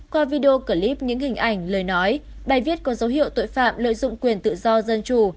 qua video clip những hình ảnh lời nói bài viết có dấu hiệu tội phạm lợi dụng quyền tự do dân chủ